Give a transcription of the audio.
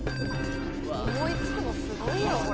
思いつくのすごいよこれ。